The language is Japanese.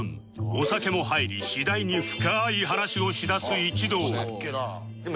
お酒も入り次第に深い話をしだす一同